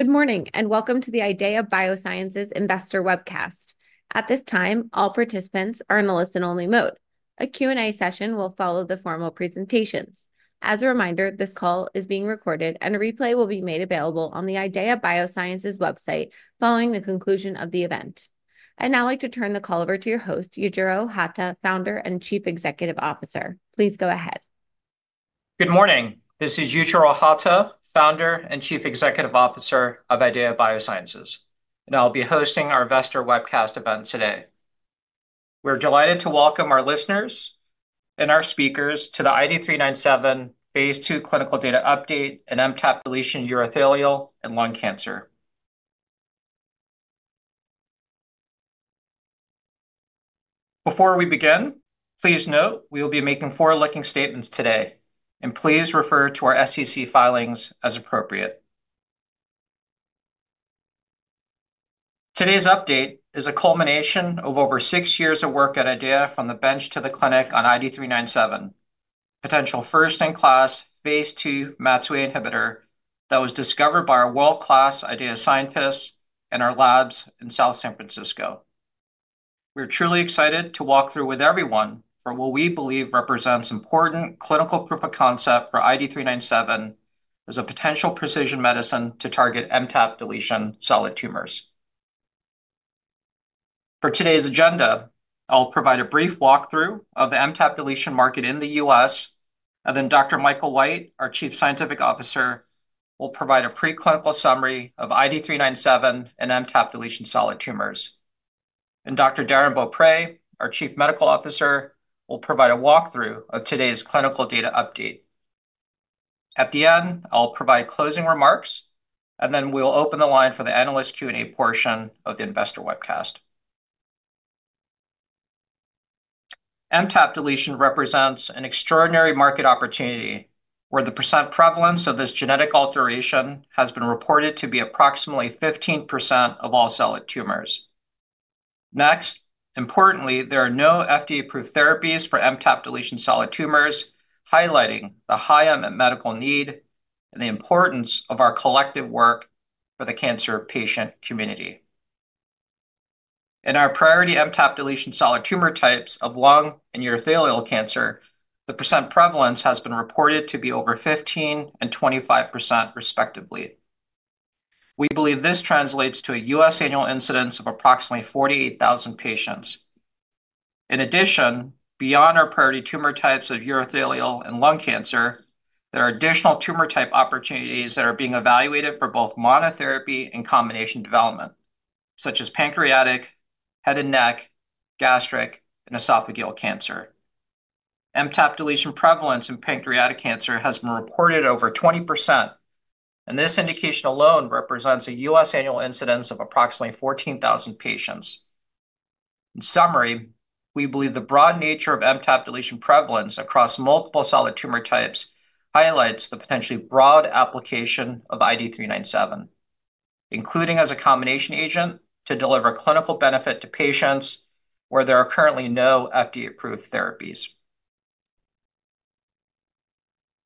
Good morning, and welcome to the IDEAYA Biosciences Investor Webcast. At this time, all participants are in the listen-only mode. A Q&A session will follow the formal presentations. As a reminder, this call is being recorded, and a replay will be made available on the IDEAYA Biosciences website following the conclusion of the event. I'd now like to turn the call over to your host, Yujiro Hata, Founder and Chief Executive Officer. Please go ahead. Good morning. This is Yujiro Hata, Founder and Chief Executive Officer of IDEAYA Biosciences, and I'll be hosting our Investor Webcast event today. We're delighted to welcome our listeners and our speakers to the IDE397 phase II Clinical Data Update and MTAP-deletion urothelial and lung cancer. Before we begin, please note we will be making forward-looking statements today, and please refer to our SEC filings as appropriate. Today's update is a culmination of over six years of work at IDEAYA from the bench to the clinic on IDE397, a potential first-in-class phase II MAT2A inhibitor that was discovered by our world-class IDEAYA scientists and our labs in South San Francisco. We're truly excited to walk through with everyone for what we believe represents important clinical proof of concept for IDE397 as a potential precision medicine to target MTAP deletion solid tumors. For today's agenda, I'll provide a brief walkthrough of the MTAP deletion market in the US, and then Dr. Michael White, our Chief Scientific Officer, will provide a preclinical summary of IDE397 and MTAP deletion solid tumors. Dr. Darrin Beaupre, our Chief Medical Officer, will provide a walkthrough of today's clinical data update. At the end, I'll provide closing remarks, and then we'll open the line for the analyst Q&A portion of the Investor Webcast. MTAP deletion represents an extraordinary market opportunity where the percent prevalence of this genetic alteration has been reported to be approximately 15% of all solid tumors. Next, importantly, there are no FDA-approved therapies for MTAP deletion solid tumors, highlighting the high unmet medical need and the importance of our collective work for the cancer patient community. In our priority MTAP deletion solid tumor types of lung and urothelial cancer, the percent prevalence has been reported to be over 15 and 25%, respectively. We believe this translates to a U.S. annual incidence of approximately 48,000 patients. In addition, beyond our priority tumor types of urothelial and lung cancer, there are additional tumor type opportunities that are being evaluated for both monotherapy and combination development, such as pancreatic, head and neck, gastric, and esophageal cancer. MTAP deletion prevalence in pancreatic cancer has been reported over 20%, and this indication alone represents a U.S. annual incidence of approximately 14,000 patients. In summary, we believe the broad nature of MTAP deletion prevalence across multiple solid tumor types highlights the potentially broad application of IDE397, including as a combination agent to deliver clinical benefit to patients where there are currently no FDA-approved therapies.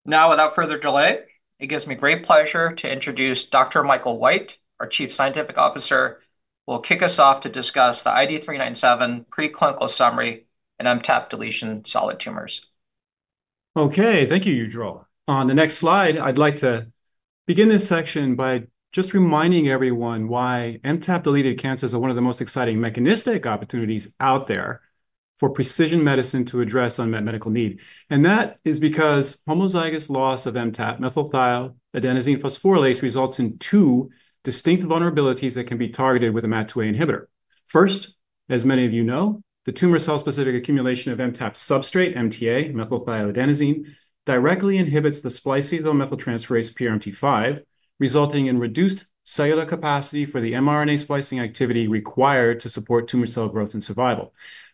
Now, without further delay, it gives me great pleasure to introduce Dr. Michael White, our Chief Scientific Officer, who will kick us off to discuss the IDE397 preclinical summary and MTAP deletion solid tumors. Okay, thank you, Yujiro. On the next slide, I'd like to begin this section by just reminding everyone why MTAP deleted cancers are one of the most exciting mechanistic opportunities out there for precision medicine to address unmet medical need. That is because homozygous loss of MTAP, methylthioadenosine phosphorylase, results in two distinct vulnerabilities that can be targeted with a MAT2A inhibitor. First, as many of you know, the tumor cell-specific accumulation of MTAP substrate, MTA, methylthioadenosine, directly inhibits the spliceosomal methyltransferase PRMT5, resulting in reduced cellular capacity for the mRNA splicing activity required to support tumor cell growth and survival.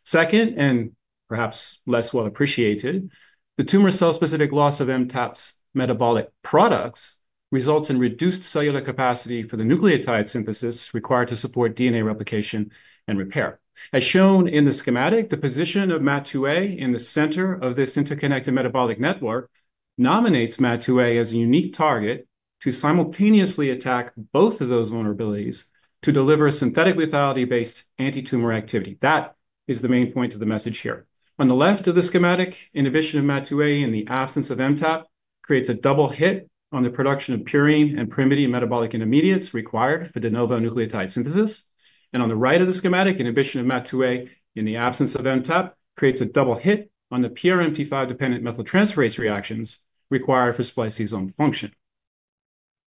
Second, and perhaps less well appreciated, the tumor cell-specific loss of MTAP's metabolic products results in reduced cellular capacity for the nucleotide synthesis required to support DNA replication and repair. As shown in the schematic, the position of MAT2A in the center of this interconnected metabolic network nominates MAT2A as a unique target to simultaneously attack both of those vulnerabilities to deliver synthetic lethality-based anti-tumor activity. That is the main point of the message here. On the left of the schematic, inhibition of MAT2A in the absence of MTAP creates a double hit on the production of purine and pyrimidine metabolic intermediates required for de novo nucleotide synthesis. On the right of the schematic, inhibition of MAT2A in the absence of MTAP creates a double hit on the PRMT5-dependent methyltransferase reactions required for spliceosome function.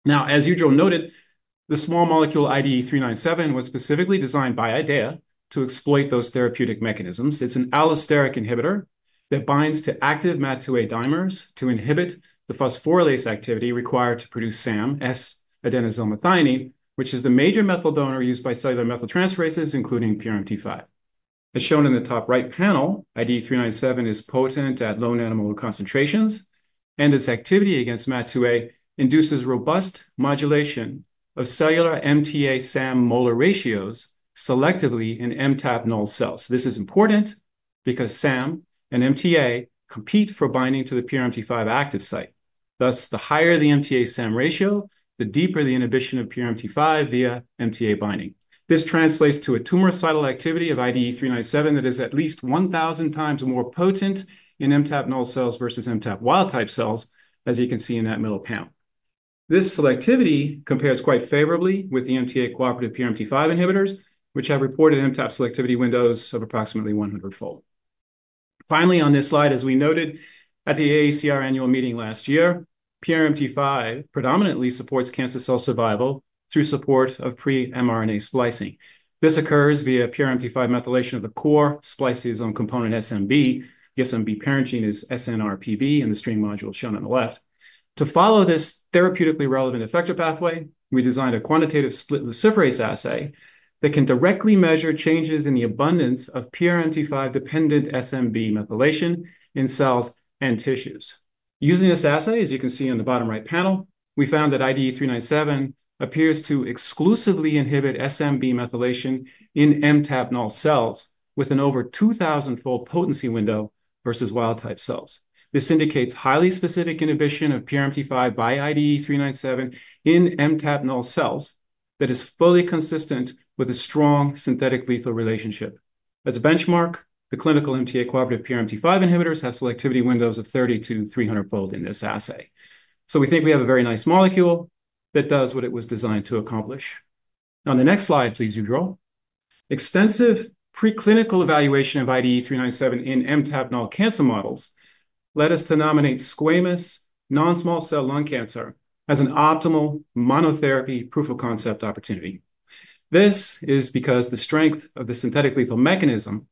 Now, as Yujiro noted, the small molecule IDE397 was specifically designed by IDEAYA to exploit those therapeutic mechanisms. It's an allosteric inhibitor that binds to active MAT2A dimers to inhibit the phosphorylase activity required to produce SAM, S-adenosylmethionine, which is the major methyl donor used by cellular methyltransferases, including PRMT5. As shown in the top right panel, IDE397 is potent at low nanomolar concentrations, and its activity against MAT2A induces robust modulation of cellular MTA-SAM molar ratios selectively in MTAP null cells. This is important because SAM and MTA compete for binding to the PRMT5 active site. Thus, the higher the MTA-SAM ratio, the deeper the inhibition of PRMT5 via MTA binding. This translates to a tumor cell activity of IDE397 that is at least 1,000 times more potent in MTAP null cells versus MTAP wild-type cells, as you can see in that middle panel. This selectivity compares quite favorably with the MTA cooperative PRMT5 inhibitors, which have reported MTAP selectivity windows of approximately 100-fold. Finally, on this slide, as we noted at the AACR annual meeting last year, PRMT5 predominantly supports cancer cell survival through support of pre-mRNA splicing. This occurs via PRMT5 methylation of the core spliceosomal component SmB. The SmB parent gene is SNRPB in the string module shown on the left. To follow this therapeutically relevant effector pathway, we designed a quantitative split luciferase assay that can directly measure changes in the abundance of PRMT5-dependent SmB methylation in cells and tissues. Using this assay, as you can see on the bottom right panel, we found that IDE397 appears to exclusively inhibit SmB methylation in MTAP null cells with an over 2,000-fold potency window versus wild-type cells. This indicates highly specific inhibition of PRMT5 by IDE397 in MTAP null cells that is fully consistent with a strong synthetic lethal relationship. As a benchmark, the clinical MTA-cooperative PRMT5 inhibitors have selectivity windows of 30 to 300 fold in this assay. So we think we have a very nice molecule that does what it was designed to accomplish. On the next slide, please, Yujiro. Extensive preclinical evaluation of IDE397 in MTAP null cancer models led us to nominate squamous non-small cell lung cancer as an optimal monotherapy proof of concept opportunity. This is because the strength of the synthetic lethal mechanism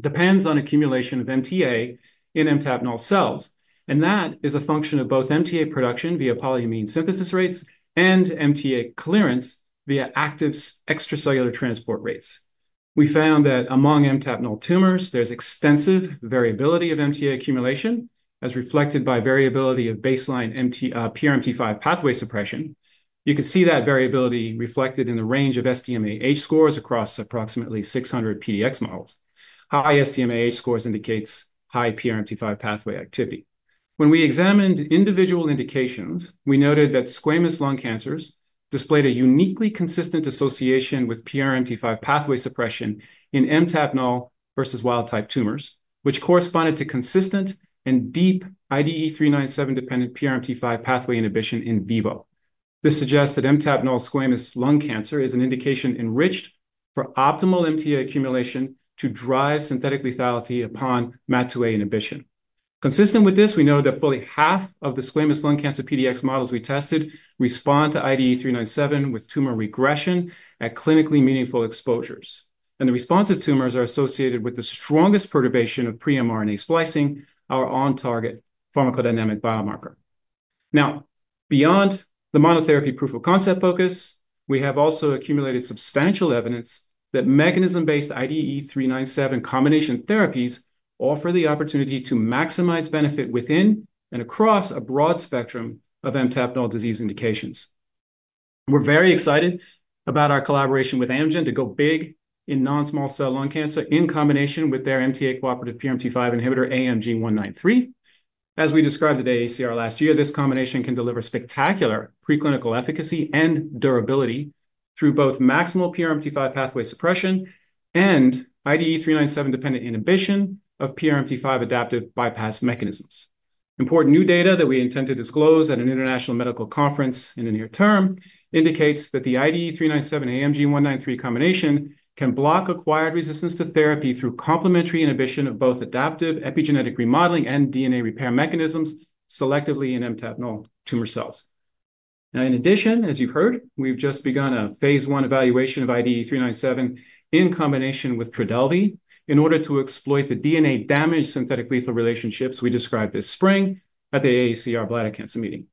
depends on accumulation of MTA in MTAP null cells, and that is a function of both MTA production via polyamine synthesis rates and MTA clearance via active extracellular transport rates. We found that among MTAP null tumors, there's extensive variability of MTA accumulation, as reflected by variability of baseline PRMT5 pathway suppression. You can see that variability reflected in the range of sDMA scores across approximately 600 PDX models. High SDMA scores indicate high PRMT5 pathway activity. When we examined individual indications, we noted that squamous lung cancers displayed a uniquely consistent association with PRMT5 pathway suppression in MTAP null versus wild-type tumors, which corresponded to consistent and deep IDE397-dependent PRMT5 pathway inhibition in vivo. This suggests that MTAP null squamous lung cancer is an indication enriched for optimal MTA accumulation to drive synthetic lethality upon MAT2A inhibition. Consistent with this, we know that fully half of the squamous lung cancer PDX models we tested respond to IDE397 with tumor regression at clinically meaningful exposures. The responsive tumors are associated with the strongest perturbation of pre-mRNA splicing, our on-target pharmacodynamic biomarker. Now, beyond the monotherapy proof of concept focus, we have also accumulated substantial evidence that mechanism-based IDE397 combination therapies offer the opportunity to maximize benefit within and across a broad spectrum of MTAP null disease indications. We're very excited about our collaboration with Amgen to go big in non-small cell lung cancer in combination with their MTA-cooperative PRMT5 inhibitor AMG 193. As we described at AACR last year, this combination can deliver spectacular preclinical efficacy and durability through both maximal PRMT5 pathway suppression and IDE397-dependent inhibition of PRMT5 adaptive bypass mechanisms. Important new data that we intend to disclose at an international medical conference in the near term indicates that the IDE397-AMG 193 combination can block acquired resistance to therapy through complementary inhibition of both adaptive epigenetic remodeling and DNA repair mechanisms selectively in MTAP null tumor cells. Now, in addition, as you've heard, we've just begun a phase I evaluation of IDE397 in combination with Trodelvy in order to exploit the DNA-damaged synthetic lethal relationships we described this spring at the AACR bladder cancer meeting.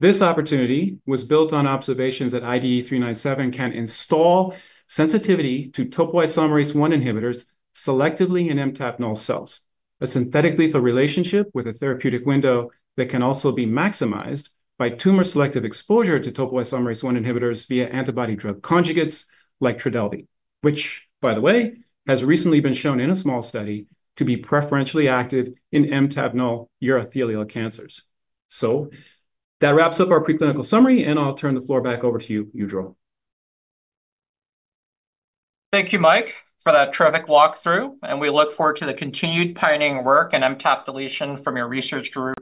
This opportunity was built on observations that IDE397 can install sensitivity to topoisomerase I inhibitors selectively in MTAP null cells, a synthetic lethal relationship with a therapeutic window that can also be maximized by tumor selective exposure to topoisomerase I inhibitors via antibody-drug conjugates like Trodelvy, which, by the way, has recently been shown in a small study to be preferentially active in MTAP null urothelial cancers. So that wraps up our preclinical summary, and I'll turn the floor back over to you, Yujiro. Thank you, Mike, for that terrific walkthrough, and we look forward to the continued pioneering work in MTAP deletion from your research group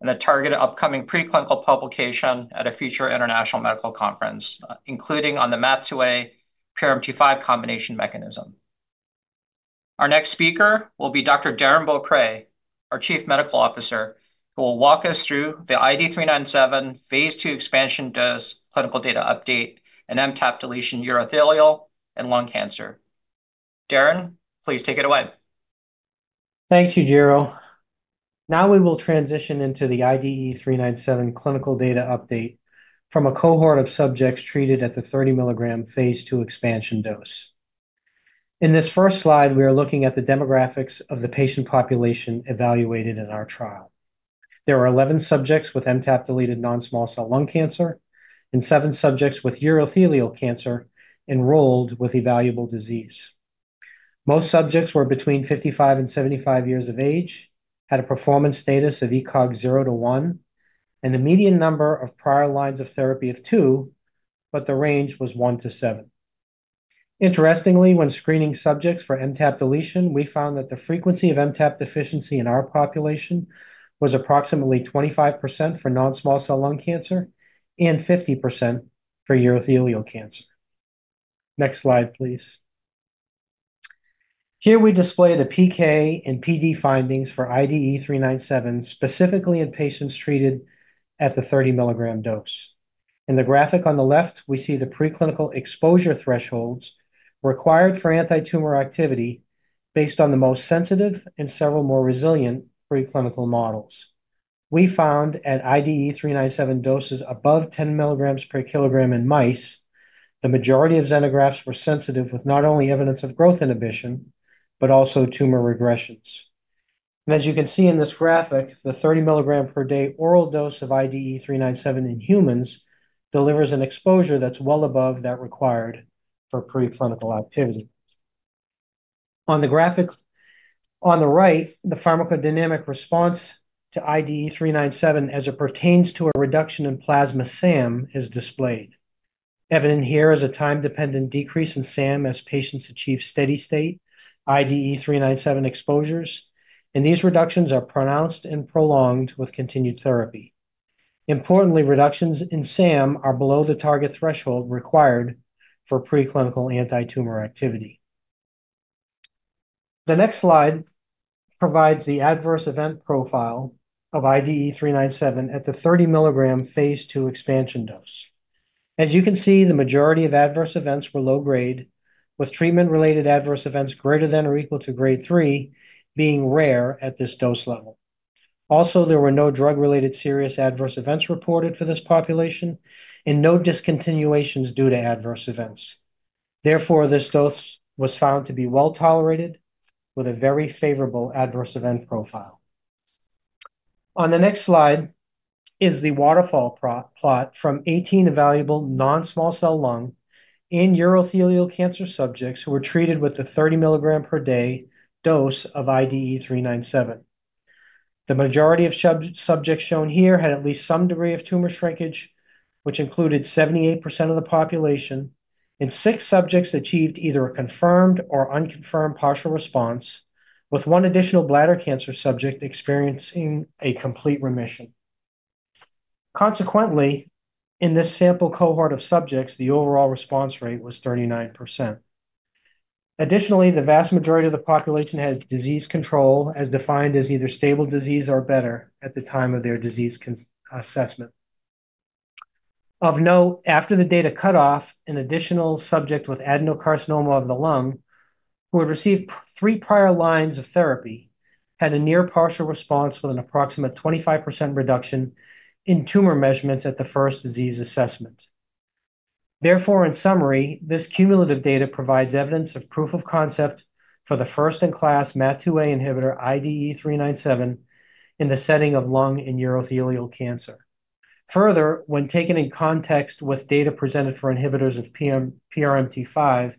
and the targeted upcoming preclinical publication at a future international medical conference, including on the MAT2A PRMT5 combination mechanism. Our next speaker will be Dr. Darrin Beaupre, our Chief Medical Officer, who will walk us through the IDE397 phase II expansion dose clinical data update and MTAP deletion urothelial and lung cancer. Darrin, please take it away. Thanks, Yujiro. Now we will transition into the IDE397 clinical data update from a cohort of subjects treated at the 30mg phase II expansion dose. In this first slide, we are looking at the demographics of the patient population evaluated in our trial. There are 11 subjects with MTAP-deleted non-small cell lung cancer and seven subjects with urothelial cancer enrolled with evaluable disease. Most subjects were between 55 and 75 years of age, had a performance status of ECOG 0-1, and the median number of prior lines of therapy of two, but the range was 1-7. Interestingly, when screening subjects for MTAP deletion, we found that the frequency of MTAP deficiency in our population was approximately 25% for non-small cell lung cancer and 50% for urothelial cancer. Next slide, please. Here we display the PK and PD findings for IDE397 specifically in patients treated at the 30mg dose. In the graphic on the left, we see the preclinical exposure thresholds required for anti-tumor activity based on the most sensitive and several more resilient preclinical models. We found at IDE397 doses above 10mg per kg in mice, the majority of xenografts were sensitive with not only evidence of growth inhibition, but also tumor regressions. And as you can see in this graphic, the 30mg per day oral dose of IDE397 in humans delivers an exposure that's well above that required for preclinical activity. On the graphic on the right, the pharmacodynamic response to IDE397 as it pertains to a reduction in plasma SAM is displayed. Evident here is a time-dependent decrease in SAM as patients achieve steady-state IDE397 exposures, and these reductions are pronounced and prolonged with continued therapy. Importantly, reductions in SAM are below the target threshold required for preclinical anti-tumor activity. The next slide provides the adverse event profile of IDE397 at the 30mg phase II expansion dose. As you can see, the majority of adverse events were low-grade, with treatment-related adverse events greater than or equal to grade three being rare at this dose level. Also, there were no drug-related serious adverse events reported for this population and no discontinuations due to adverse events. Therefore, this dose was found to be well tolerated with a very favorable adverse event profile. On the next slide is the waterfall plot from 18 evaluable non-small cell lung cancer and urothelial cancer subjects who were treated with the 30mg per day dose of IDE397. The majority of subjects shown here had at least some degree of tumor shrinkage, which included 78% of the population, and six subjects achieved either a confirmed or unconfirmed partial response, with one additional bladder cancer subject experiencing a complete remission. Consequently, in this sample cohort of subjects, the overall response rate was 39%. Additionally, the vast majority of the population had disease control as defined as either stable disease or better at the time of their disease assessment. Of note, after the data cut off, an additional subject with adenocarcinoma of the lung who had received three prior lines of therapy had a near partial response with an approximate 25% reduction in tumor measurements at the first disease assessment. Therefore, in summary, this cumulative data provides evidence of proof of concept for the first-in-class MAT2A inhibitor IDE397 in the setting of lung and urothelial cancer. Further, when taken in context with data presented for inhibitors of PRMT5,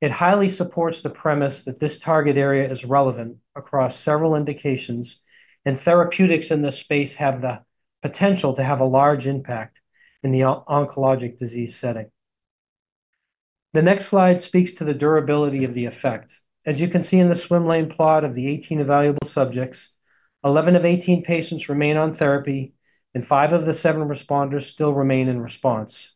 it highly supports the premise that this target area is relevant across several indications, and therapeutics in this space have the potential to have a large impact in the oncologic disease setting. The next slide speaks to the durability of the effect. As you can see in the swimlane plot of the 18 evaluable subjects, 11 of 18 patients remain on therapy, and five of the seven responders still remain in response.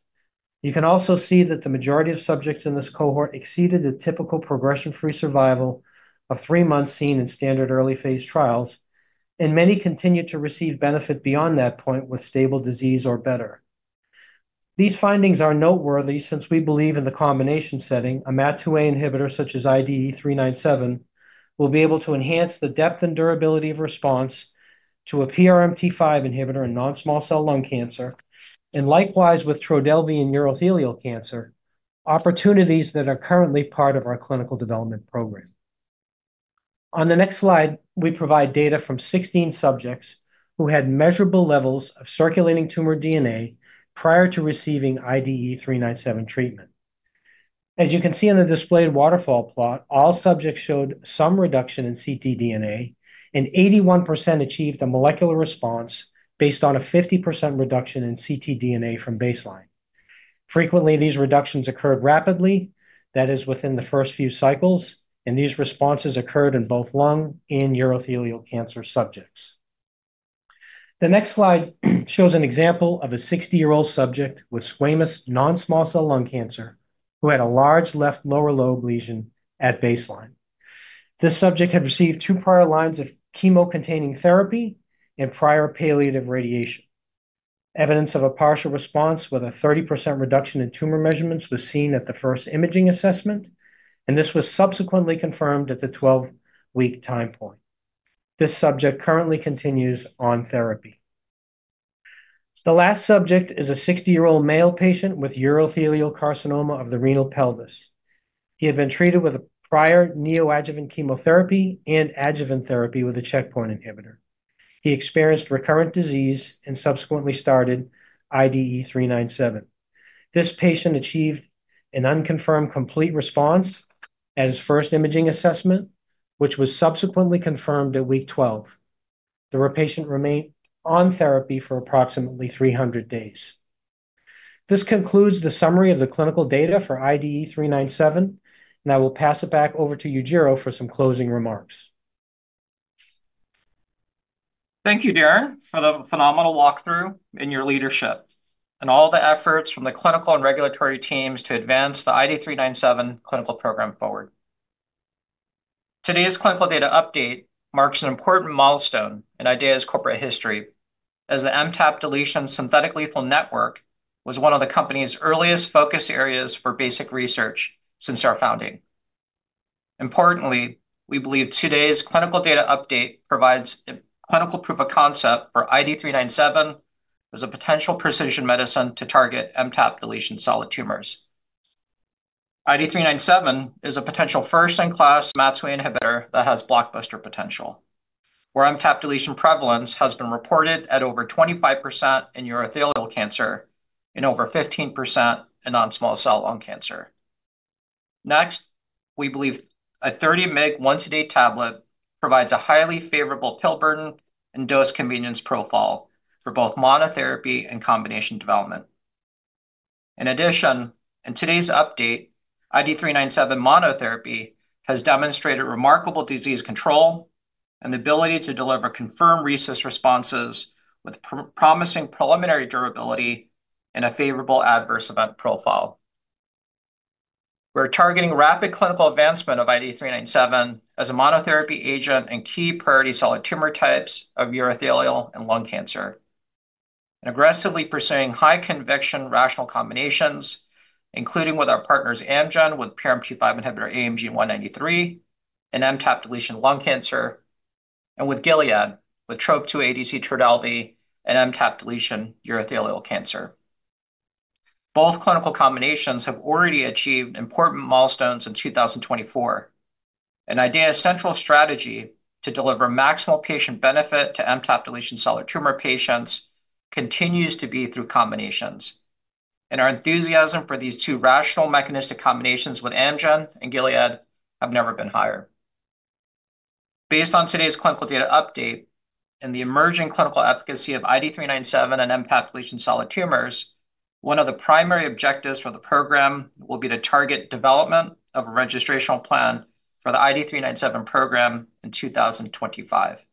You can also see that the majority of subjects in this cohort exceeded the typical progression-free survival of three months seen in standard early phase trials, and many continued to receive benefit beyond that point with stable disease or better. These findings are noteworthy since we believe in the combination setting, a MAT2A inhibitor such as IDE397 will be able to enhance the depth and durability of response to a PRMT5 inhibitor in non-small cell lung cancer, and likewise with Trodelvy in urothelial cancer, opportunities that are currently part of our clinical development program. On the next slide, we provide data from 16 subjects who had measurable levels of circulating tumor DNA prior to receiving IDE397 treatment. As you can see in the displayed waterfall plot, all subjects showed some reduction in ctDNA, and 81% achieved a molecular response based on a 50% reduction in ctDNA from baseline. Frequently, these reductions occurred rapidly, that is, within the first few cycles, and these responses occurred in both lung and urothelial cancer subjects. The next slide shows an example of a 60-year-old subject with squamous non-small cell lung cancer who had a large left lower lobe lesion at baseline. This subject had received two prior lines of chemo-containing therapy and prior palliative radiation. Evidence of a partial response with a 30% reduction in tumor measurements was seen at the first imaging assessment, and this was subsequently confirmed at the 12-week time point. This subject currently continues on therapy. The last subject is a 60-year-old male patient with urothelial carcinoma of the renal pelvis. He had been treated with prior neoadjuvant chemotherapy and adjuvant therapy with a checkpoint inhibitor. He experienced recurrent disease and subsequently started IDE397. This patient achieved an unconfirmed complete response at his first imaging assessment, which was subsequently confirmed at week 12. The patient remained on therapy for approximately 300 days. This concludes the summary of the clinical data for IDE397, and I will pass it back over to Yujiro for some closing remarks. Thank you, Darrin, for the phenomenal walkthrough and your leadership and all the efforts from the clinical and regulatory teams to advance the IDE397 clinical program forward. Today's clinical data update marks an important milestone in IDEAYA's corporate history, as the MTAP deletion synthetic lethal network was one of the company's earliest focus areas for basic research since our founding. Importantly, we believe today's clinical data update provides a clinical proof of concept for IDE397 as a potential precision medicine to target MTAP deletion solid tumors. IDE397 is a potential first-in-class MAT2A inhibitor that has blockbuster potential, where MTAP deletion prevalence has been reported at over 25% in urothelial cancer and over 15% in non-small cell lung cancer. Next, we believe a 30mg once-a-day tablet provides a highly favorable pill burden and dose convenience profile for both monotherapy and combination development. In addition, in today's update, IDE397 monotherapy has demonstrated remarkable disease control and the ability to deliver confirmed CR responses with promising preliminary durability and a favorable adverse event profile. We're targeting rapid clinical advancement of IDE397 as a monotherapy agent and key priority solid tumor types of urothelial and lung cancer, and aggressively pursuing high-conviction rational combinations, including with our partners Amgen with PRMT5 inhibitor AMG 193 and MTAP deletion lung cancer, and with Gilead with TROP2 ADC Trodelvy and MTAP deletion urothelial cancer. Both clinical combinations have already achieved important milestones in 2024, and IDEAYA's central strategy to deliver maximal patient benefit to MTAP deletion solid tumor patients continues to be through combinations. Our enthusiasm for these two rational mechanistic combinations with Amgen and Gilead have never been higher. Based on today's clinical data update and the emerging clinical efficacy of IDE397 and MTAP deletion solid tumors, one of the primary objectives for the program will be to target development of a registration plan for the IDE397 program in 2025.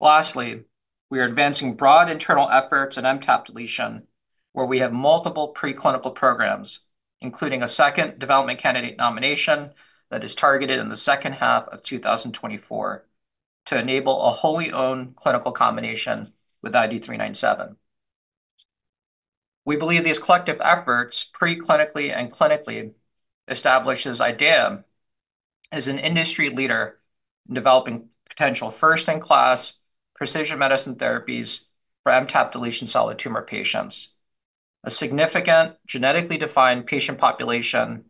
Lastly, we are advancing broad internal efforts in MTAP deletion, where we have multiple preclinical programs, including a second development candidate nomination that is targeted in the second half of 2024 to enable a wholly owned clinical combination with IDE397. We believe these collective efforts preclinically and clinically establish IDEAYA as an industry leader in developing potential first-in-class precision medicine therapies for MTAP deletion solid tumor patients, a significant genetically defined patient population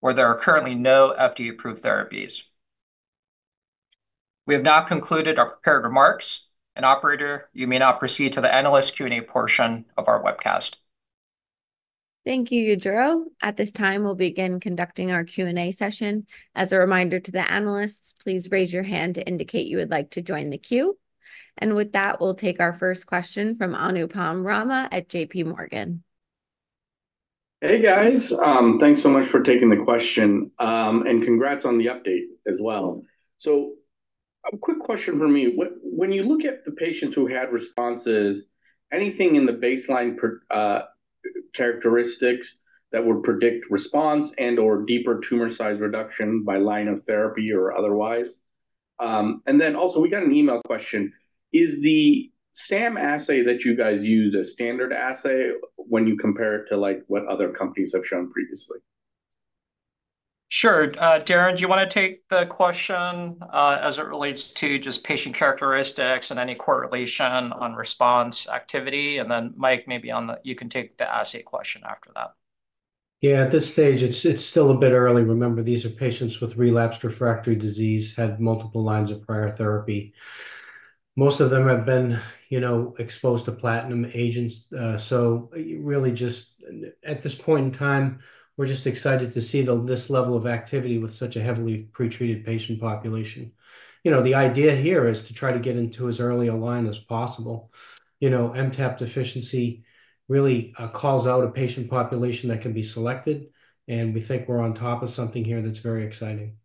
where there are currently no FDA-approved therapies. We have now concluded our prepared remarks. And, Operator, you may now proceed to the analyst Q&A portion of our webcast. Thank you, Yujiro. At this time, we'll begin conducting our Q&A session. As a reminder to the analysts, please raise your hand to indicate you would like to join the queue. And with that, we'll take our first question from Anupam Rama at JPMorgan. Hey, guys. Thanks so much for taking the question, and congrats on the update as well. A quick question for me. When you look at the patients who had responses, anything in the baseline characteristics that would predict response and/or deeper tumor size reduction by line of therapy or otherwise? Then also, we got an email question. Is the SAM assay that you guys use a standard assay when you compare it to what other companies have shown previously? Sure. Darrin, do you want to take the question as it relates to just patient characteristics and any correlation on response activity? And then Mike, maybe you can take the assay question after that. Yeah, at this stage, it's still a bit early. Remember, these are patients with relapsed refractory disease, had multiple lines of prior therapy. Most of them have been exposed to platinum agents. So really, just at this point in time, we're just excited to see this level of activity with such a heavily pretreated patient population. The idea here is to try to get into as early a line as possible. MTAP deficiency really calls out a patient population that can be selected, and we think we're on top of something here that's very exciting.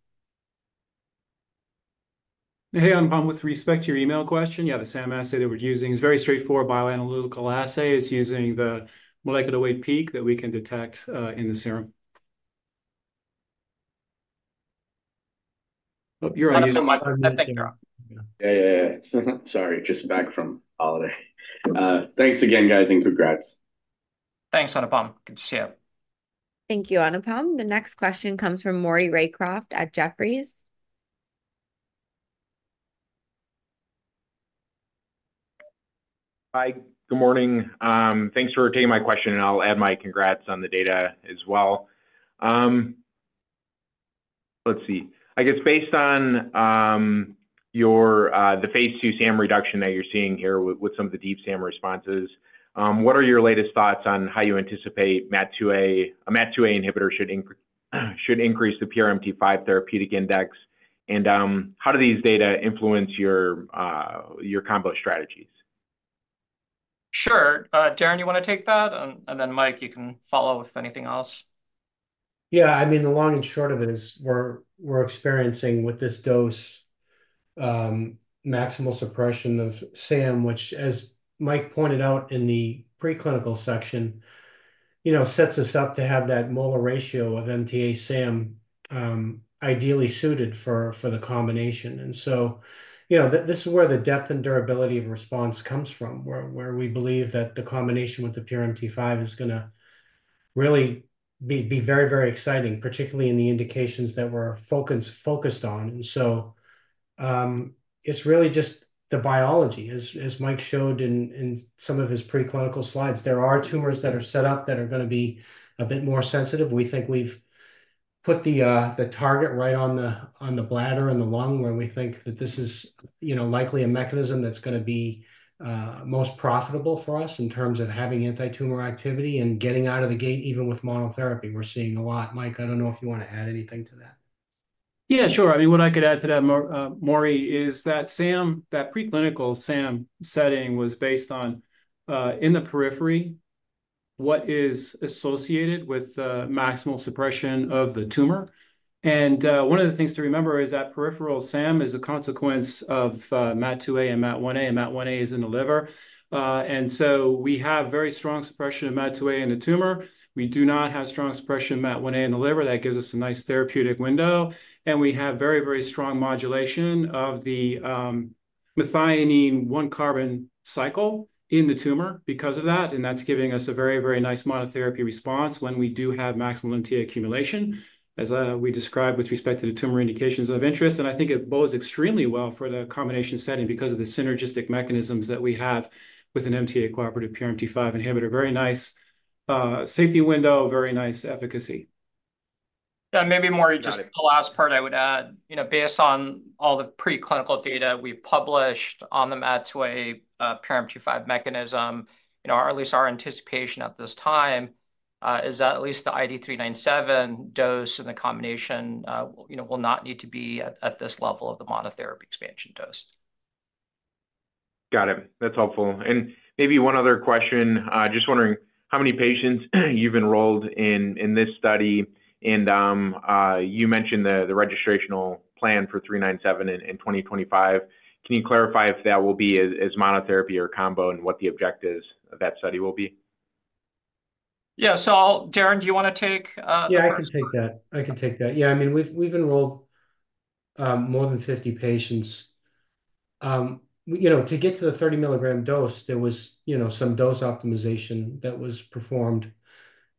Hey, Anupam, with respect to your email question, yeah, the SAM assay that we're using is a very straightforward bioanalytical assay. It's using the molecular weight peak that we can detect in the serum. Oh, you're on mute. Thanks, Anupam. Yeah, yeah, yeah. Sorry, just back from holiday. Thanks again, guys, and congrats. Thanks, Anupam. Good to see you. Thank you, Anupam. The next question comes from Maury Raycroft at Jefferies. Hi, good morning. Thanks for taking my question, and I'll add my congrats on the data as well. Let's see. I guess based on the phase II SAM reduction that you're seeing here with some of the deep SAM responses, what are your latest thoughts on how you anticipate MAT2A inhibitors should increase the PRMT5 therapeutic index, and how do these data influence your combo strategies? Sure. Darrin, you want to take that? And then Mike, you can follow with anything else. Yeah. I mean, the long and short of it is we're experiencing with this dose maximal suppression of SAM, which, as Mike pointed out in the preclinical section, sets us up to have that molar ratio of MTA-SAM ideally suited for the combination. And so this is where the depth and durability of response comes from, where we believe that the combination with the PRMT5 is going to really be very, very exciting, particularly in the indications that we're focused on. And so it's really just the biology. As Mike showed in some of his preclinical slides, there are tumors that are set up that are going to be a bit more sensitive. We think we've put the target right on the bladder and the lung, where we think that this is likely a mechanism that's going to be most profitable for us in terms of having anti-tumor activity and getting out of the gate even with monotherapy. We're seeing a lot. Mike, I don't know if you want to add anything to that. Yeah, sure. I mean, what I could add to that, Maury, is that preclinical SAM setting was based on in the periphery, what is associated with maximal suppression of the tumor. And one of the things to remember is that peripheral SAM is a consequence of MAT2A and MAT1A, and MAT1A is in the liver. And so we have very strong suppression of MAT2A in the tumor. We do not have strong suppression of MAT1A in the liver. That gives us a nice therapeutic window. And we have very, very strong modulation of the methionine one-carbon cycle in the tumor because of that. And that's giving us a very, very nice monotherapy response when we do have maximal MTA accumulation, as we described with respect to the tumor indications of interest. I think it bodes extremely well for the combination setting because of the synergistic mechanisms that we have with an MTA-cooperative PRMT5 inhibitor. Very nice safety window, very nice efficacy. Yeah. Maybe, Maury, just the last part I would add, based on all the preclinical data we published on the MAT2A PRMT5 mechanism, or at least our anticipation at this time, is that at least the IDE397 dose and the combination will not need to be at this level of the monotherapy expansion dose. Got it. That's helpful. Maybe one other question. Just wondering how many patients you've enrolled in this study. You mentioned the registrational plan for 397 in 2025. Can you clarify if that will be as monotherapy or combo, and what the objectives of that study will be? Yeah. So Darrin, do you want to take that? Yeah, I can take that. I can take that. Yeah. I mean, we've enrolled more than 50 patients. To get to the 30mg dose, there was some dose optimization that was performed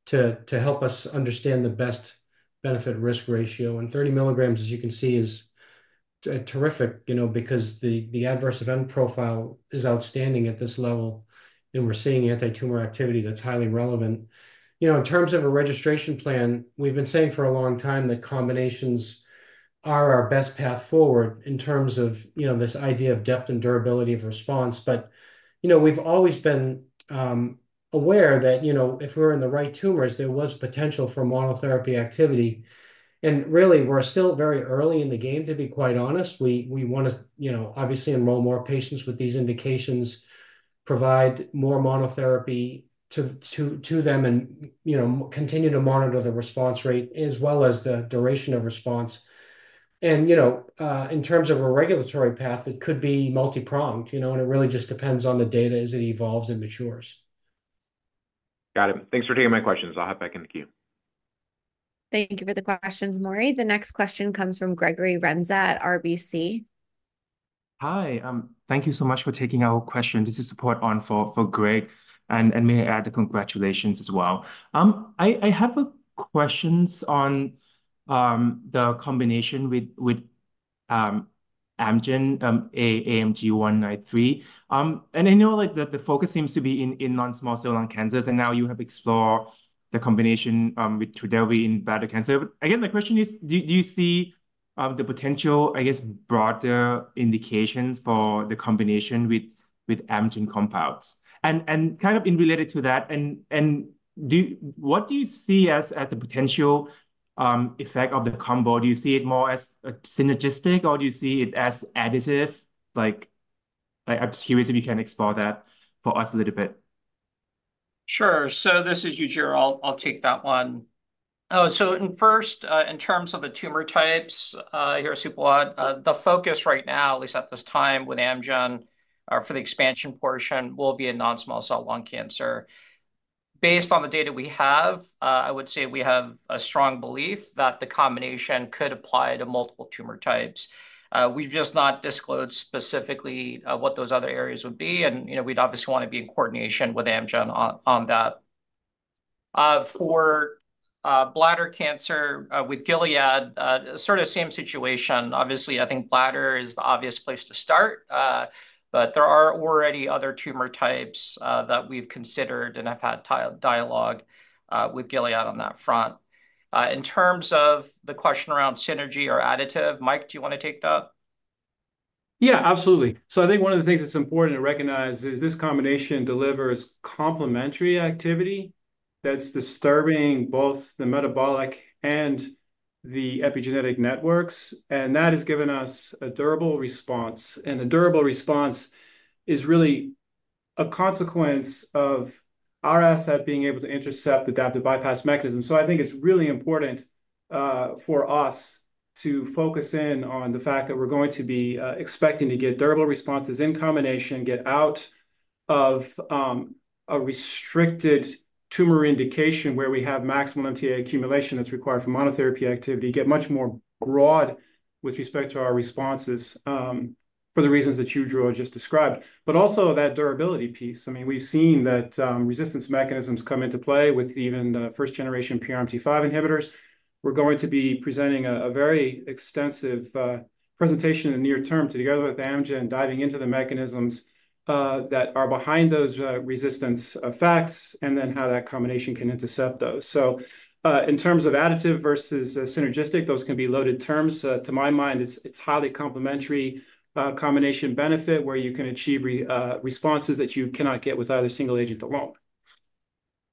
to help us understand the best benefit-risk ratio. And 30mg, as you can see, is terrific because the adverse event profile is outstanding at this level, and we're seeing anti-tumor activity that's highly relevant. In terms of a registration plan, we've been saying for a long time that combinations are our best path forward in terms of this idea of depth and durability of response. But we've always been aware that if we're in the right tumors, there was potential for monotherapy activity. And really, we're still very early in the game, to be quite honest. We want to, obviously, enroll more patients with these indications, provide more monotherapy to them, and continue to monitor the response rate as well as the duration of response. In terms of a regulatory path, it could be multi-pronged, and it really just depends on the data as it evolves and matures. Got it. Thanks for taking my questions. I'll hop back in the queue. Thank you for the questions, Maury. The next question comes from Gregory Renz at RBC. Hi. Thank you so much for taking our question. This is support on for Greg, and may I add the congratulations as well. I have questions on the combination with Amgen AMG 193. I know that the focus seems to be in non-small cell lung cancers, and now you have explored the combination with Trodelvy in bladder cancer. Again, my question is, do you see the potential, I guess, broader indications for the combination with Amgen compounds? Kind of in relation to that, what do you see as the potential effect of the combo? Do you see it more as synergistic, or do you see it as additive? I'm curious if you can explore that for us a little bit. Sure. So this is Yujiro. I'll take that one. So first, in terms of the tumor types, (here at South San Francisco), the focus right now, at least at this time with Amgen for the expansion portion, will be in non-small cell lung cancer. Based on the data we have, I would say we have a strong belief that the combination could apply to multiple tumor types. We've just not disclosed specifically what those other areas would be, and we'd obviously want to be in coordination with Amgen on that. For bladder cancer with Gilead, sort of same situation. Obviously, I think bladder is the obvious place to start, but there are already other tumor types that we've considered and have had dialogue with Gilead on that front. In terms of the question around synergy or additive, Mike, do you want to take that? Yeah, absolutely. So I think one of the things that's important to recognize is this combination delivers complementary activity that's disturbing both the metabolic and the epigenetic networks. And that has given us a durable response. And the durable response is really a consequence of our asset being able to intercept the adaptive bypass mechanism. So I think it's really important for us to focus in on the fact that we're going to be expecting to get durable responses in combination, get out of a restricted tumor indication where we have maximal MTA accumulation that's required for monotherapy activity, get much more broad with respect to our responses for the reasons that Yujiro just described, but also that durability piece. I mean, we've seen that resistance mechanisms come into play with even first generation PRMT5 inhibitors. We're going to be presenting a very extensive presentation in the near term together with Amgen diving into the mechanisms that are behind those resistance effects and then how that combination can intercept those. So in terms of additive versus synergistic, those can be loaded terms. To my mind, it's a highly complementary combination benefit where you can achieve responses that you cannot get with either single agent alone.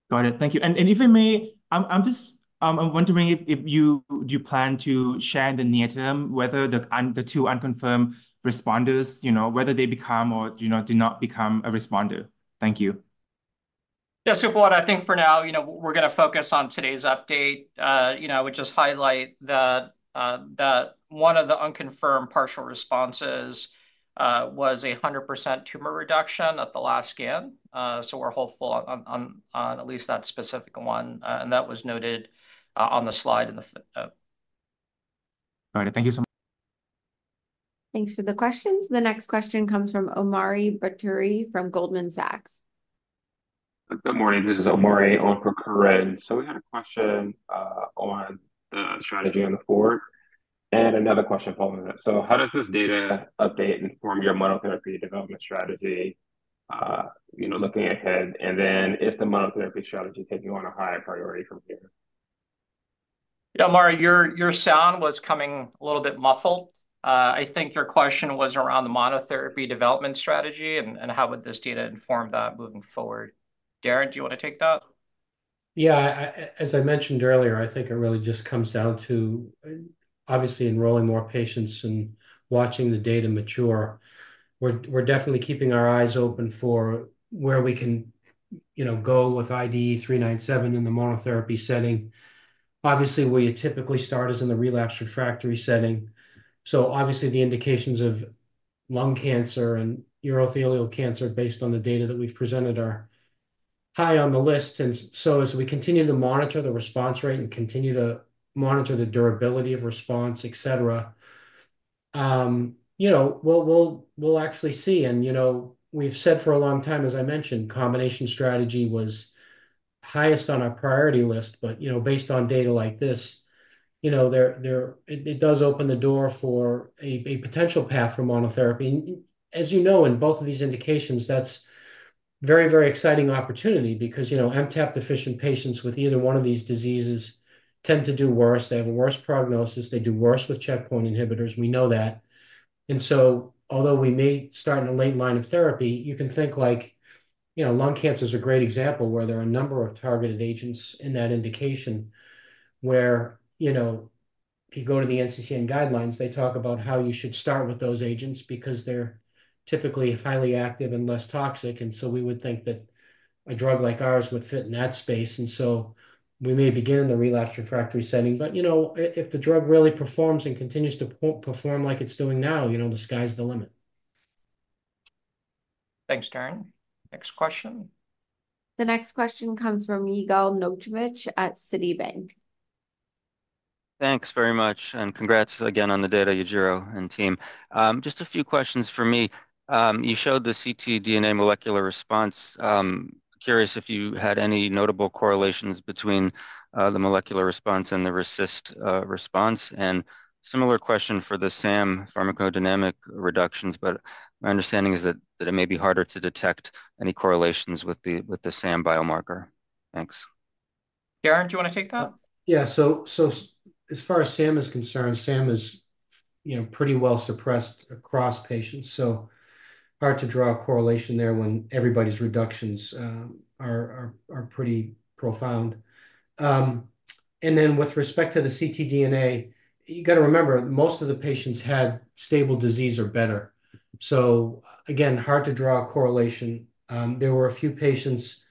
Got it. Thank you. If I may, I'm just wondering if you plan to share the near-term whether the two unconfirmed responders whether they become or do not become a responder? Thank you. Yeah, to be blunt, I think for now, we're going to focus on today's update. I would just highlight that one of the unconfirmed partial responses was a 100% tumor reduction at the last scan. So we're hopeful on at least that specific one. And that was noted on the slide in the. Got it. Thank you so much. Thanks for the questions. The next question comes from Omari Baruti from Goldman Sachs. Good morning. This is Omari on for Corinne We had a question on the strategy on the board and another question following that. How does this data update and form your monotherapy development strategy looking ahead? And then is the monotherapy strategy taking on a higher priority from here? Yeah, Omari, your sound was coming a little bit muffled. I think your question was around the monotherapy development strategy and how would this data inform that moving forward? Darrin, do you want to take that? Yeah. As I mentioned earlier, I think it really just comes down to, obviously, enrolling more patients and watching the data mature. We're definitely keeping our eyes open for where we can go with IDE397 in the monotherapy setting. Obviously, where you typically start is in the relapse refractory setting. So obviously, the indications of lung cancer and urothelial cancer based on the data that we've presented are high on the list. And so as we continue to monitor the response rate and continue to monitor the durability of response, etc., we'll actually see. And we've said for a long time, as I mentioned, combination strategy was highest on our priority list. But based on data like this, it does open the door for a potential path for monotherapy. As you know, in both of these indications, that's a very, very exciting opportunity because MTAP-deficient patients with either one of these diseases tend to do worse. They have a worse prognosis. They do worse with checkpoint inhibitors. We know that. And so although we may start in a late line of therapy, you can think lung cancer is a great example where there are a number of targeted agents in that indication where if you go to the NCCN Guidelines, they talk about how you should start with those agents because they're typically highly active and less toxic. And so we would think that a drug like ours would fit in that space. And so we may begin in the relapse refractory setting. But if the drug really performs and continues to perform like it's doing now, the sky's the limit. Thanks, Darrin. Next question. The next question comes from Yigal Nochomovitz at Citi. Thanks very much. And congrats again on the data, Yujiro and team. Just a few questions for me. You showed the ctDNA molecular response. Curious if you had any notable correlations between the molecular response and the RECIST response. And similar question for the SAM pharmacodynamic reductions, but my understanding is that it may be harder to detect any correlations with the SAM biomarker. Thanks. Darrin, do you want to take that? Yeah. So as far as SAM is concerned, SAM is pretty well suppressed across patients. So hard to draw a correlation there when everybody's reductions are pretty profound. And then with respect to the ctDNA, you got to remember most of the patients had stable disease or better. So again, hard to draw a correlation. There were a few patients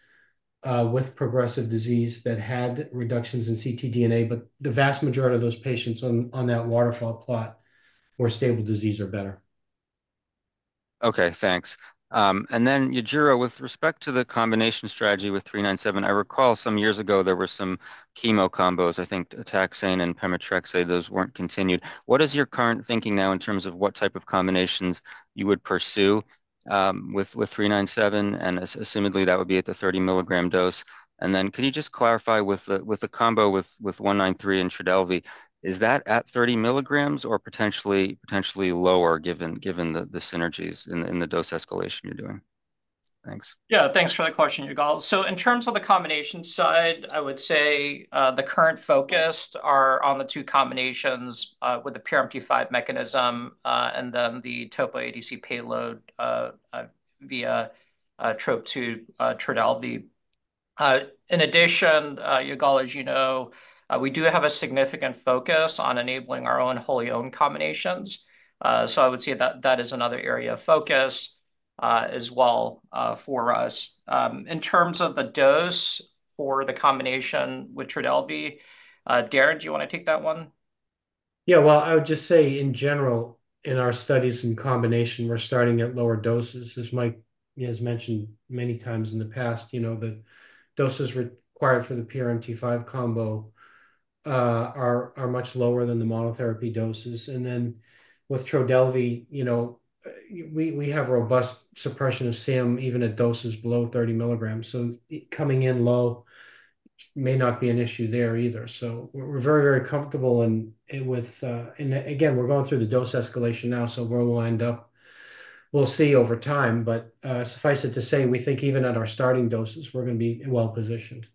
with progressive disease that had reductions in ctDNA, but the vast majority of those patients on that waterfall plot were stable disease or better. Okay. Thanks. And then Yujiro, with respect to the combination strategy with 397, I recall some years ago there were some chemo combos, I think, taxane and pemetrexed, those weren't continued. What is your current thinking now in terms of what type of combinations you would pursue with 397? And assumedly, that would be at the 30mg dose. And then could you just clarify with the combo with 193 and Trodelvy, is that at 30mg or potentially lower given the synergies in the dose escalation you're doing? Thanks. Yeah. Thanks for the question, Yigal. So in terms of the combination side, I would say the current focus is on the two combinations with the PRMT5 mechanism and then the topo ADC payload via TROP2 to Trodelvy. In addition, Yigal, as you know, we do have a significant focus on enabling our own wholly owned combinations. So I would say that that is another area of focus as well for us. In terms of the dose for the combination with Trodelvy, Darrin, do you want to take that one? Yeah. Well, I would just say in general, in our studies in combination, we're starting at lower doses. As Mike has mentioned many times in the past, the doses required for the PRMT5 combo are much lower than the monotherapy doses. And then with Trodelvy, we have robust suppression of SAM even at doses below 30mg. So coming in low may not be an issue there either. So we're very, very comfortable. And again, we're going through the dose escalation now, so we'll see over time. But suffice it to say, we think even at our starting doses, we're going to be well positioned.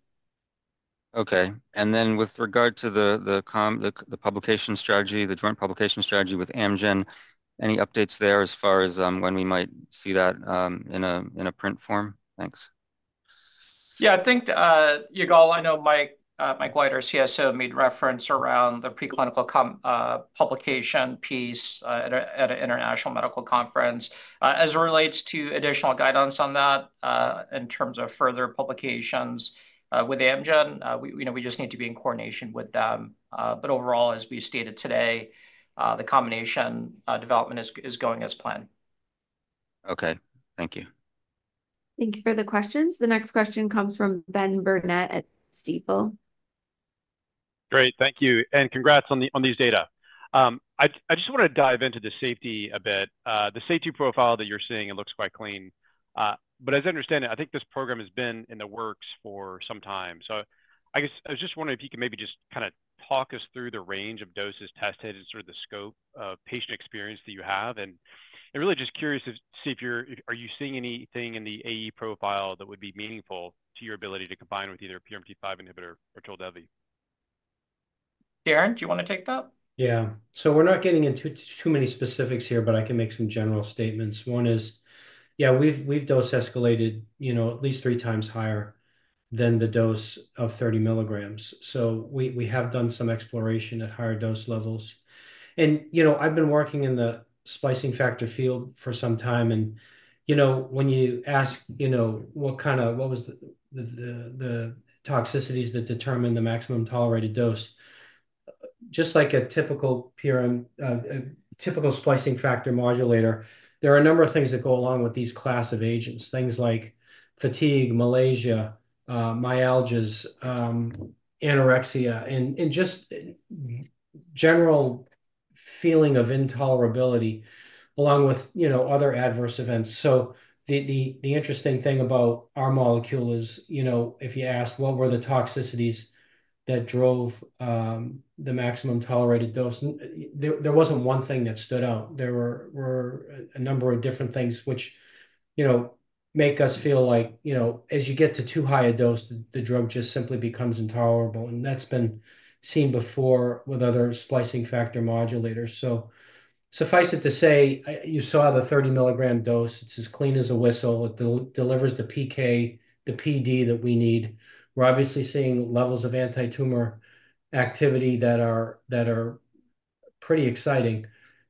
Okay. And then with regard to the publication strategy, the joint publication strategy with Amgen, any updates there as far as when we might see that in a print form? Thanks. Yeah. I think, Yigal, I know Mike White, our CSO, made reference around the preclinical publication piece at an international medical conference. As it relates to additional guidance on that in terms of further publications with Amgen, we just need to be in coordination with them. But overall, as we stated today, the combination development is going as planned. Okay. Thank you. Thank you for the questions. The next question comes from Ben Burnett at Stifel. Great. Thank you. Congrats on these data. I just want to dive into the safety a bit. The safety profile that you're seeing, it looks quite clean. As I understand it, I think this program has been in the works for some time. I guess I was just wondering if you could maybe just kind of talk us through the range of doses tested and sort of the scope of patient experience that you have. And really just curious to see if you're seeing anything in the AE profile that would be meaningful to your ability to combine with either PRMT5 inhibitor or Trodelvy? Darrin, do you want to take that? Yeah. So we're not getting into too many specifics here, but I can make some general statements. One is, yeah, we've dose escalated at least three times higher than the dose of 30mg. So we have done some exploration at higher dose levels. And I've been working in the splicing factor field for some time. And when you ask what was the toxicities that determine the maximum tolerated dose, just like a typical splicing factor modulator, there are a number of things that go along with these class of agents, things like fatigue, malaise, myalgias, anorexia, and just general feeling of intolerability along with other adverse events. So the interesting thing about our molecule is if you ask what were the toxicities that drove the maximum tolerated dose, there wasn't one thing that stood out. There were a number of different things which make us feel like as you get to too high a dose, the drug just simply becomes intolerable. That's been seen before with other splicing factor modulators. Suffice it to say, you saw the 30mg dose. It's as clean as a whistle. It delivers the PK, the PD that we need. We're obviously seeing levels of anti-tumor activity that are pretty exciting.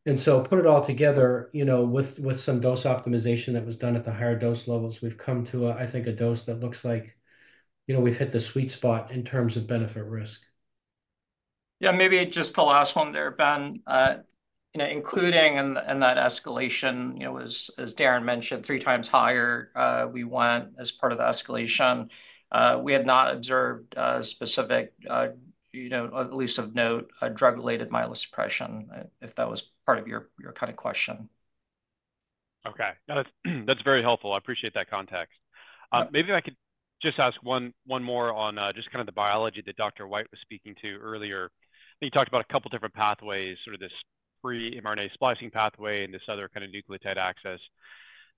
Put it all together with some dose optimization that was done at the higher dose levels, we've come to, I think, a dose that looks like we've hit the sweet spot in terms of benefit-risk. Yeah. Maybe just the last one there, Ben, including in that escalation, as Darrin mentioned, three times higher we went as part of the escalation. We had not observed specific, at least of note, drug-related myelosuppression, if that was part of your kind of question. Okay. That's very helpful. I appreciate that context. Maybe I could just ask one more on just kind of the biology that Dr. White was speaking to earlier. You talked about a couple of different pathways, sort of this pre-mRNA splicing pathway and this other kind of nucleotide access.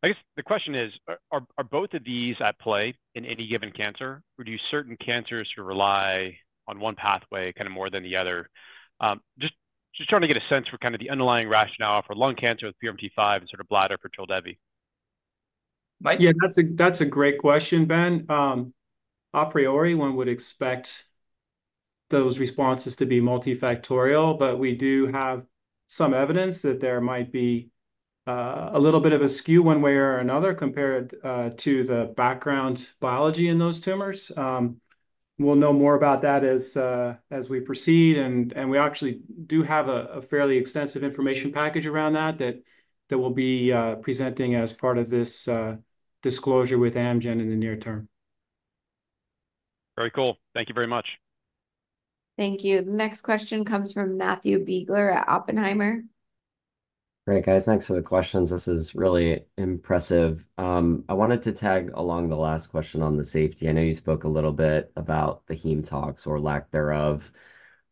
I guess the question is, are both of these at play in any given cancer, or do certain cancers rely on one pathway kind of more than the other? Just trying to get a sense for kind of the underlying rationale for lung cancer with PRMT5 and sort of bladder for Trodelvy. Yeah. That's a great question, Ben. A priori, one would expect those responses to be multifactorial, but we do have some evidence that there might be a little bit of a skew one way or another compared to the background biology in those tumors. We'll know more about that as we proceed. And we actually do have a fairly extensive information package around that that we'll be presenting as part of this disclosure with Amgen in the near term. Very cool. Thank you very much. Thank you. The next question comes from Matthew Biegler at Oppenheimer. Great, guys. Thanks for the questions. This is really impressive. I wanted to tag along the last question on the safety. I know you spoke a little bit about the heme tox or lack thereof.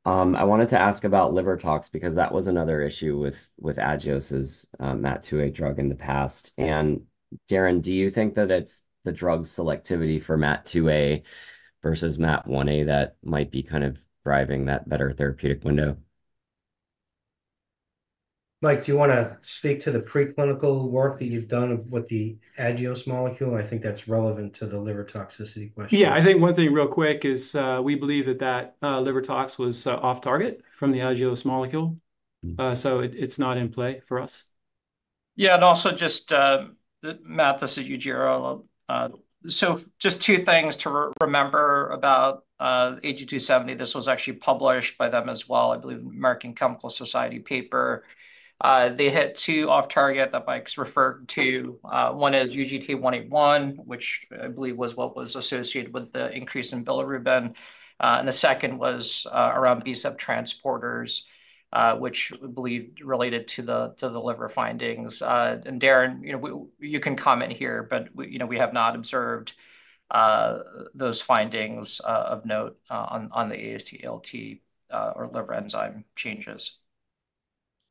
I wanted to ask about liver tox because that was another issue with Agios's MAT2A drug in the past. Darrin, do you think that it's the drug selectivity for MAT2A versus MAT1A that might be kind of driving that better therapeutic window? Mike, do you want to speak to the preclinical work that you've done with the Agios molecule? I think that's relevant to the liver toxicity question. Yeah. I think one thing real quick is we believe that that liver tox was off-target from the Agios molecule. So it's not in play for us. Yeah. And also just Matt, this is Yujiro. So just two things to remember about AG-270. This was actually published by them as well, I believe, American Chemical Society paper. They hit two off-target that Mike's referred to. One is UGT1A1, which I believe was what was associated with the increase in bilirubin. And the second was around BSEP transporters, which we believe related to the liver findings. And Darrin, you can comment here, but we have not observed those findings of note on the AST/ALT or liver enzyme changes.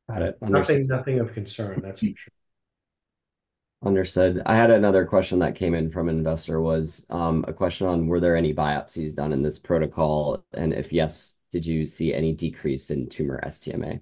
Got it. Nothing of concern. That's for sure. Understood. I had another question that came in from an investor: was a question on were there any biopsies done in this protocol? And if yes, did you see any decrease in tumor MTA?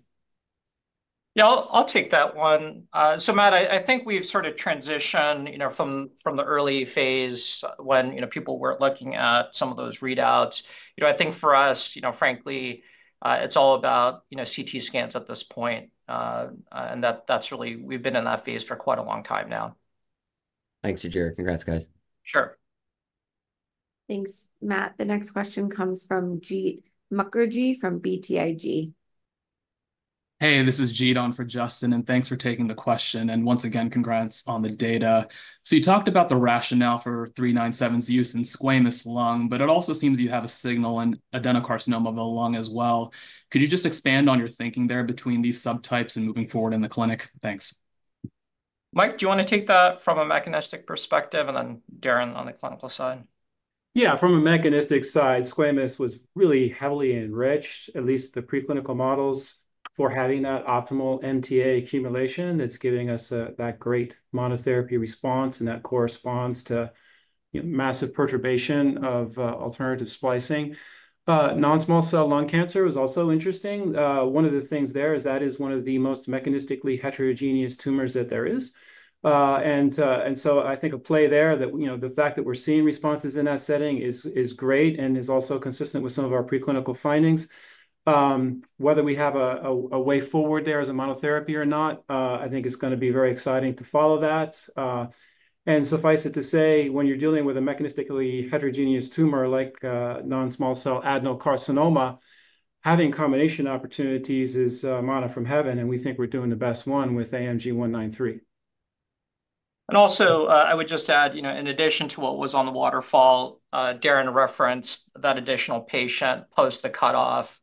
Yeah. I'll take that one. So, Matt, I think we've sort of transitioned from the early phase when people weren't looking at some of those readouts. I think for us, frankly, it's all about CT scans at this point. And that's really, we've been in that phase for quite a long time now. Thanks, Yujiro. Congrats, guys. Sure. Thanks, Matt. The next question comes from Jeet Mukherjee from BTIG. Hey, this is Jeet on for Justin. Thanks for taking the question. Once again, congrats on the data. So you talked about the rationale for 397's use in squamous lung, but it also seems you have a signal in adenocarcinoma of the lung as well. Could you just expand on your thinking there between these subtypes and moving forward in the clinic? Thanks. Mike, do you want to take that from a mechanistic perspective? And then Darrin on the clinical side. Yeah. From a mechanistic side, squamous was really heavily enriched, at least the preclinical models, for having that optimal MTA accumulation. It's giving us that great monotherapy response, and that corresponds to massive perturbation of alternative splicing. Non-small cell lung cancer was also interesting. One of the things there is that is one of the most mechanistically heterogeneous tumors that there is. And so I think a play there that the fact that we're seeing responses in that setting is great and is also consistent with some of our preclinical findings. Whether we have a way forward there as a monotherapy or not, I think it's going to be very exciting to follow that. And suffice it to say, when you're dealing with a mechanistically heterogeneous tumor like non-small cell adenocarcinoma, having combination opportunities is a manna from heaven. And we think we're doing the best one with AMG 193. And also, I would just add, in addition to what was on the waterfall, Darrin referenced that additional patient post the cutoff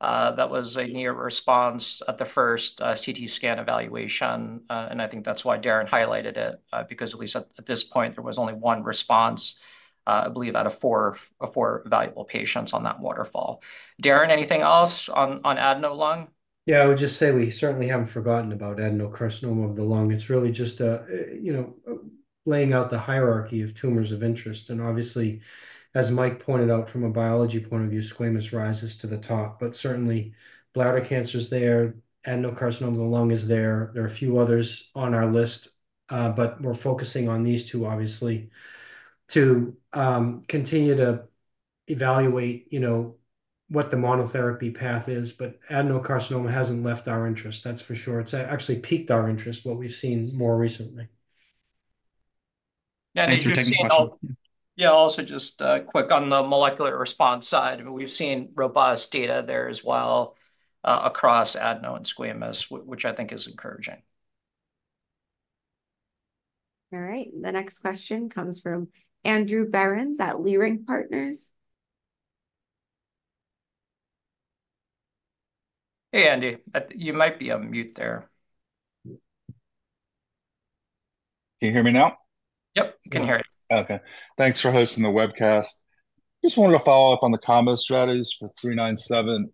that was a near response at the first CT scan evaluation. And I think that's why Darrin highlighted it, because at least at this point, there was only one response, I believe, out of four evaluable patients on that waterfall. Darrin, anything else on adeno lung? Yeah. I would just say we certainly haven't forgotten about adenocarcinoma of the lung. It's really just laying out the hierarchy of tumors of interest. And obviously, as Mike pointed out, from a biology point of view, squamous rises to the top. But certainly, bladder cancer is there. Adenocarcinoma of the lung is there. There are a few others on our list, but we're focusing on these two, obviously, to continue to evaluate what the monotherapy path is. But adenocarcinoma hasn't left our interest, that's for sure. It's actually piqued our interest, what we've seen more recently. Yeah. Also, just quick on the molecular response side. We've seen robust data there as well across adeno and squamous, which I think is encouraging. All right. The next question comes from Andrew Berens at Leerink Partners. Hey, Andy. You might be on mute there. Can you hear me now? Yep. Can hear you. Okay. Thanks for hosting the webcast. Just wanted to follow up on the combo strategies for 397.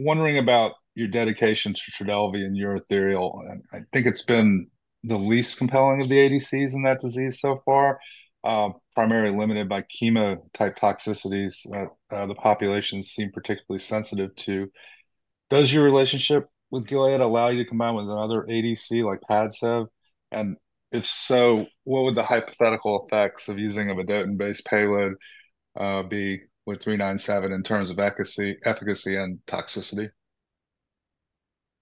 Wondering about your dedication to Trodelvy and urothelial. I think it's been the least compelling of the ADCs in that disease so far, primarily limited by chemotype toxicities that the population seem particularly sensitive to. Does your relationship with Gilead allow you to combine with another ADC like PADCEV? And if so, what would the hypothetical effects of using a vedotin-based payload be with 397 in terms of efficacy and toxicity?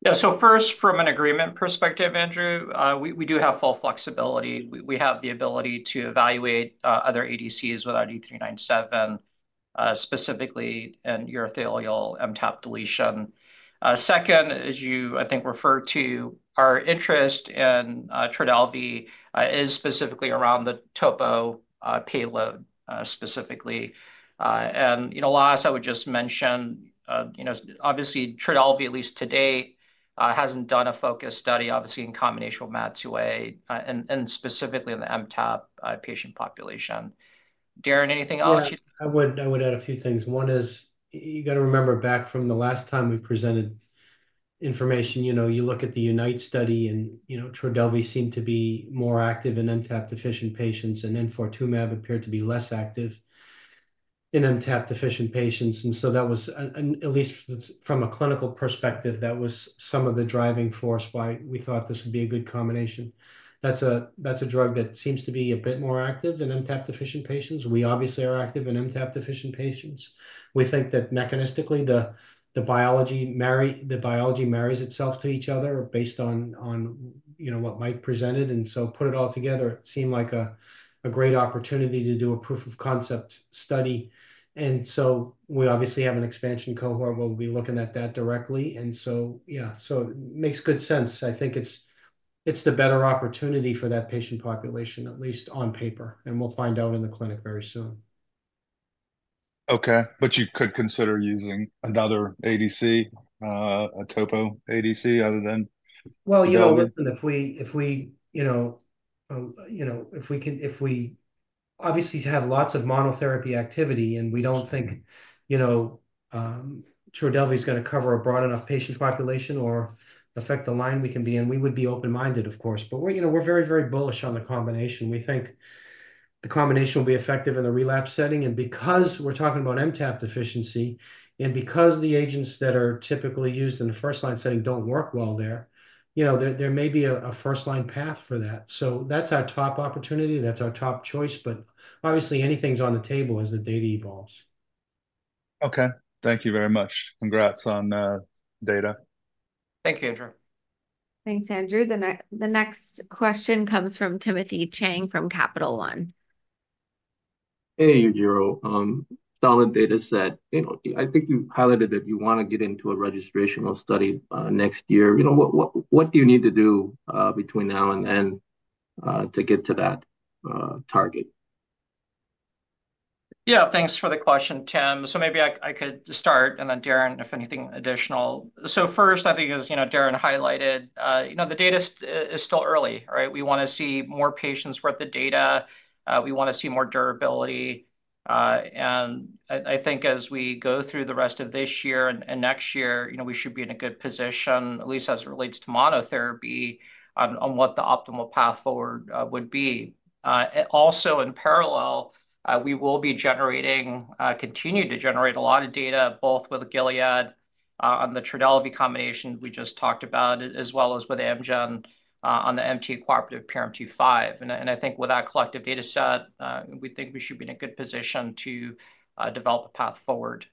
Yeah. So first, from an agreement perspective, Andrew, we do have full flexibility. We have the ability to evaluate other ADCs with IDE397, specifically in urothelial MTAP deletion. Second, as you, I think, referred to, our interest in Trodelvy is specifically around the topo payload specifically. And last, I would just mention, obviously, Trodelvy, at least to date, hasn't done a focus study, obviously, in combination with MAT2A and specifically in the MTAP patient population. Darrin, anything else? Yeah. I would add a few things. One is you got to remember back from the last time we presented information, you look at the UNITE study, and Trodelvy seemed to be more active in MTAP-deficient patients. And PADCEV appeared to be less active in MTAP-deficient patients. And so that was, at least from a clinical perspective, that was some of the driving force why we thought this would be a good combination. That's a drug that seems to be a bit more active in MTAP-deficient patients. We obviously are active in MTAP-deficient patients. We think that mechanistically, the biology marries itself to each other based on what Mike presented. And so put it all together, it seemed like a great opportunity to do a proof of concept study. And so we obviously have an expansion cohort. We'll be looking at that directly. And so yeah. It makes good sense. I think it's the better opportunity for that patient population, at least on paper. We'll find out in the clinic very soon. Okay. But you could consider using another ADC, a topo ADC, other than? Well, if we obviously have lots of monotherapy activity and we don't think Trodelvy is going to cover a broad enough patient population or affect the line we can be in, we would be open-minded, of course. But we're very, very bullish on the combination. We think the combination will be effective in the relapse setting. And because we're talking about MTAP deficiency and because the agents that are typically used in the first-line setting don't work well there, there may be a first-line path for that. So that's our top opportunity. That's our top choice. But obviously, anything's on the table as the data evolves. Okay. Thank you very much. Congrats on data. Thank you, Andrew. Thanks, Andrew. The next question comes from Timothy Chiang from Capital One. Hey, Yujiro. Solid data set. I think you highlighted that you want to get into a registrational study next year. What do you need to do between now and then to get to that target? Yeah. Thanks for the question, Tim. So maybe I could start. And then Darrin, if anything additional. So first, I think, as Darrin highlighted, the data is still early, right? We want to see more patients with the data. We want to see more durability. And I think as we go through the rest of this year and next year, we should be in a good position, at least as it relates to monotherapy, on what the optimal path forward would be. Also, in parallel, we will be continuing to generate a lot of data, both with Gilead on the Trodelvy combination we just talked about, as well as with Amgen on the MTA cooperative PRMT5. And I think with that collective data set, we think we should be in a good position to develop a path forward.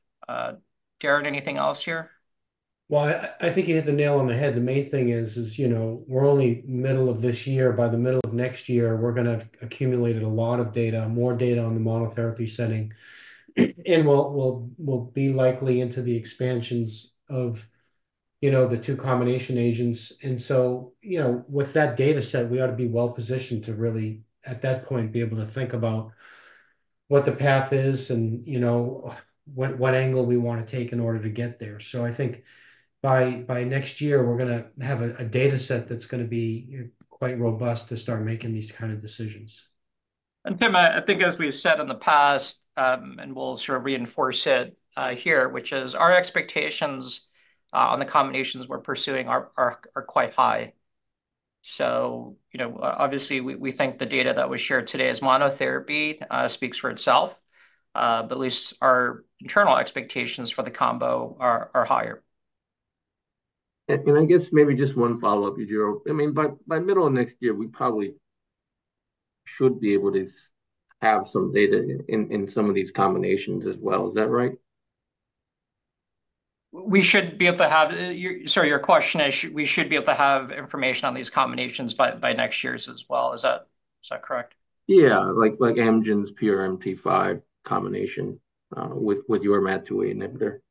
Darrin, anything else here? Well, I think you hit the nail on the head. The main thing is we're only middle of this year. By the middle of next year, we're going to have accumulated a lot of data, more data on the monotherapy setting. We'll be likely into the expansions of the two combination agents. With that data set, we ought to be well-positioned to really, at that point, be able to think about what the path is and what angle we want to take in order to get there. So I think by next year, we're going to have a data set that's going to be quite robust to start making these kind of decisions. Tim, I think as we've said in the past, and we'll sort of reinforce it here, which is our expectations on the combinations we're pursuing are quite high. So obviously, we think the data that was shared today as monotherapy speaks for itself. But at least our internal expectations for the combo are higher. I guess maybe just one follow-up, Yujiro. I mean, by middle of next year, we probably should be able to have some data in some of these combinations as well. Is that right? We should be able to have, sorry, your question is we should be able to have information on these combinations by next year's as well. Is that correct? Yeah. Like Amgen's PRMT5 combination with your MAT2A inhibitor.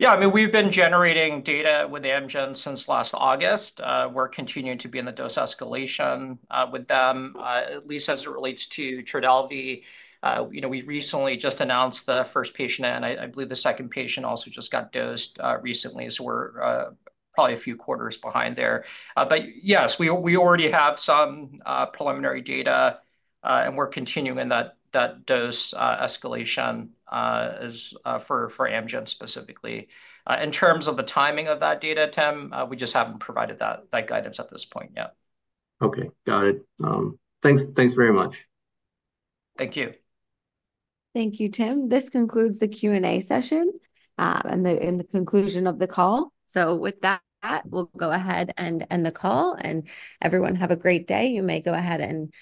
Yeah. I mean, we've been generating data with Amgen since last August. We're continuing to be in the dose escalation with them, at least as it relates to Trodelvy. We recently just announced the first patient, and I believe the second patient also just got dosed recently. So we're probably a few quarters behind there. But yes, we already have some preliminary data, and we're continuing that dose escalation for Amgen specifically. In terms of the timing of that data, Tim, we just haven't provided that guidance at this point yet. Okay. Got it. Thanks very much. Thank you. Thank you, Tim. This concludes the Q&A session and the conclusion of the call. With that, we'll go ahead and end the call. Everyone, have a great day. You may go ahead and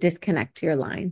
disconnect your line.